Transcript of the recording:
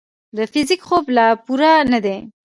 د فزیک خواب لا پوره نه دی.